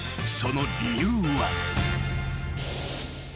［その理由は］